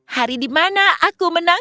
hari di mana aku menang